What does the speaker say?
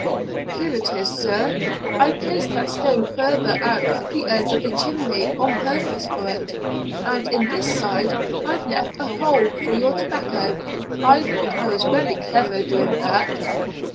"Here it is, sir. I placed that stone further out at the end of the chimney on purpose for it, and in this side I've left a hole for your tobacco. I thought I was very clever doing that."